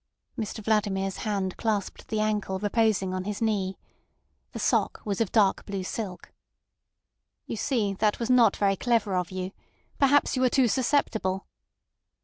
Mr Vladimir's hand clasped the ankle reposing on his knee. The sock was of dark blue silk. "You see, that was not very clever of you. Perhaps you are too susceptible."